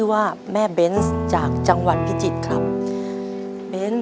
กลายเป็นงานภาระหรือการคุยมีแพทย์